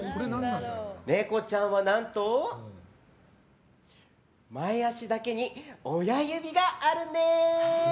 ネコちゃんは何と前足だけに親指があるんです。